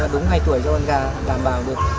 đúng hai tuổi cho con gà đảm bảo được